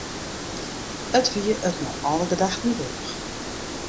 It wie it nei alle gedachten wurdich.